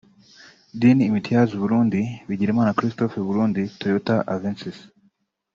Din Imitiaz (Burundi) & Bigirimana Christophe (Burundi) – Toyota Avensis